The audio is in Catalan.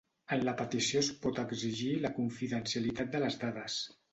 En la petició es pot exigir la confidencialitat de les dades.